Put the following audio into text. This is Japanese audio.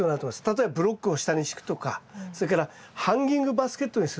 例えばブロックを下に敷くとかそれからハンギングバスケットにするという。